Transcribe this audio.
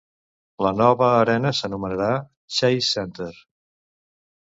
La nova arena s'anomenarà Chase Center.